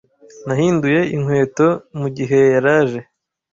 Nahinduye inkweto mugihe yaraje.